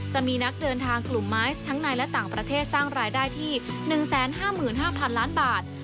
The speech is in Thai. จะมีนักเดินทางกลุ่มไม้ทั้งในและต่างประเทศสร้างรายได้ที่๑๕๕๐๐๐ล้านบาท